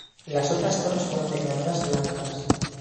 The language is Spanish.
Las otras zonas fueron declaradas "blancas".